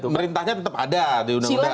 perintahnya tetap ada di undang undang